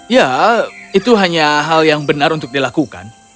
ya itu hanya hal yang benar untuk dilakukan